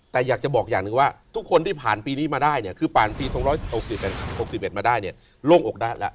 แต่อยากจะบอกอย่างนึงว่าทุกคนที่ผ่านปีนี้มาได้คือผ่านปี๒๖๑มาได้ลงอกด้านแล้ว